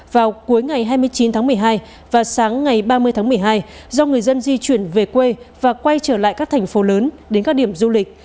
vào cuối ngày hai mươi chín tháng một mươi hai và sáng ngày ba mươi tháng một mươi hai do người dân di chuyển về quê và quay trở lại các thành phố lớn đến các điểm du lịch